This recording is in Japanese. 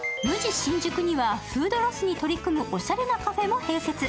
新宿にはフードロスに取り組むおしゃれなカフェも併設。